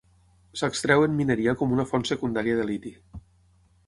S'extreu en mineria com una font secundària de liti.